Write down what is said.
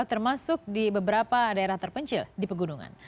termasuk di beberapa daerah terpencil di pegunungan